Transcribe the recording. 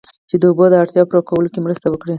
چې د اوبو د اړتیاوو پوره کولو کې مرسته وکړي